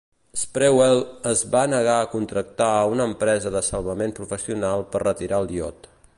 Sprewell es va negar a contractar a una empresa de salvament professional per retirar el iot.